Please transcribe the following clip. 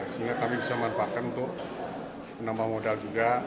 sehingga kami bisa manfaatkan untuk menambah modal juga